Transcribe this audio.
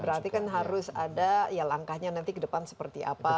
berarti kan harus ada ya langkahnya nanti ke depan seperti apa